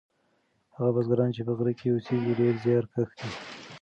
هغه بزګران چې په غره کې اوسیږي ډیر زیارکښ دي.